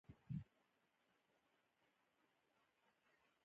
د وېښتیانو زیات رنګول یې کمزوري کوي.